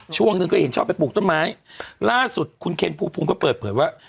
ช่วงหนึ่งก็เห็นชอบไปปลูกต้นไม้ล่าสุดคุณเคนภูมิก็เปิดเผยว่า